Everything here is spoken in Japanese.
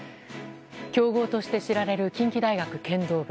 強豪として知られる近畿大学剣道部。